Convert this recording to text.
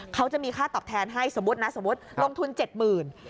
เขาจะมีค่าตอบแทนให้สมมติลงทุน๗๐๐๐๐